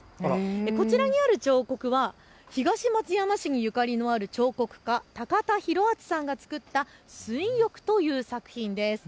こちらにある彫刻は東松山市にゆかりのある彫刻家、高田博厚さんが作った水浴という作品です。